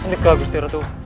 tunggu agustin ratu